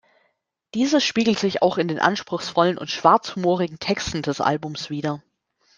Dieses spiegelt sich auch in den anspruchsvollen und schwarzhumorigen Texten des Albums wider.